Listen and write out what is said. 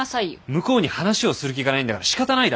向こうに話をする気がないんだからしかたないだろ。